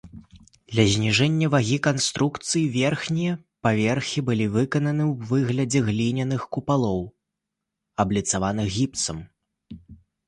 Для зніжэння вагі канструкцый, верхнія паверхі былі выкананы ў выглядзе гліняных купалаў, абліцаваных гіпсам.